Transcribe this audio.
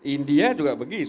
india juga begitu